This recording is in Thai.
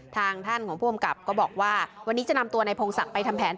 ทางท่านของผู้อำกับก็บอกว่าวันนี้จะนำตัวนายพงศักดิ์ไปทำแผน